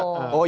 oh yang makin